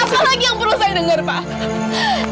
apa lagi yang perlu saya denger pak